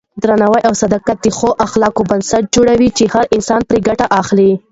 درناوی او صداقت د ښو اخلاقو بنسټ جوړوي چې هر انسان پرې ګټه اخلي.